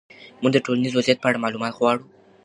موږ د ټولنیز وضعیت په اړه معلومات غواړو.